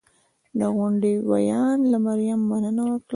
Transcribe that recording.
د غونډې ویاند له مریم مننه وکړه